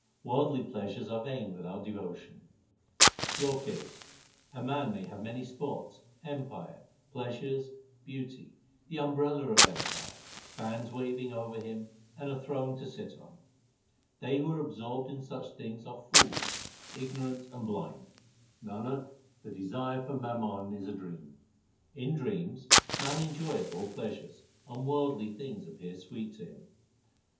Worldly pleasures are vain without devotion : SLOK VIII A man may have many sports, empire, pleasures, beauty, the umbrella of empire, fans waving over him, and a throne to sit on They who are absorbed in such things are fools, ignorant, and blind ; Nanak, the desire for mammon is a dream. In dreams man enjoyeth all pleasures, and worldly things appear sweet to him.